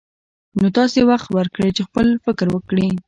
نو تاسې وخت ورکړئ چې خپل فکر وکړي.